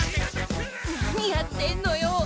何やってんのよ。